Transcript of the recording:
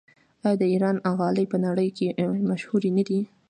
آیا د ایران غالۍ په نړۍ کې مشهورې نه دي؟